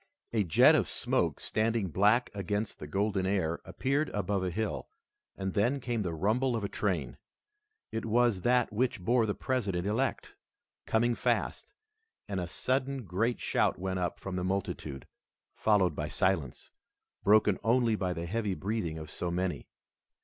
A jet of smoke standing black against the golden air appeared above a hill, and then came the rumble of a train. It was that which bore the President elect, coming fast, and a sudden great shout went up from the multitude, followed by silence, broken only by the heavy breathing of so many.